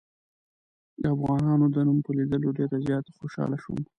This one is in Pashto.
د افغان د نوم په لیدلو ډېر زیات خوشحاله شوم.